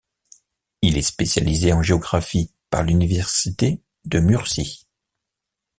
Il est spécialisé en géographie par l'Université de Murcie.